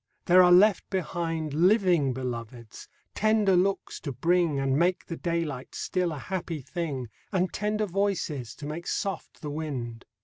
there are left behind Living Beloveds, tender looks to bring, And make the daylight still a happy thing, And tender voices, to make soft the wind.